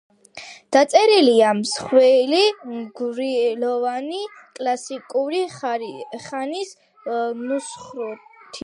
დაწერილია მსხვილი მრგვლოვანი, კლასიკური ხანის ნუსხურით.